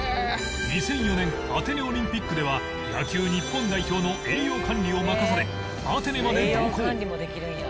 ２００４年アテネオリンピックでは野球日本代表の栄養管理を任されアテネまで同行